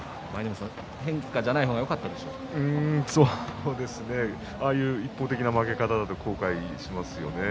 変化じゃない方がああいう一方的な負け方だと後悔しますよね。